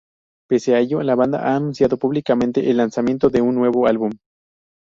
Pese a ello, la banda ha anunciado públicamente el lanzamiento de un nuevo álbum.